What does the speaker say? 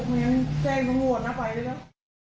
มันยังแจ้งกับงวดมาไปด้วยแล้ว